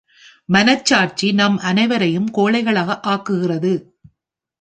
மனசாட்சி நம் அனைவரையும் கோழைகளாக ஆக்குகிறது.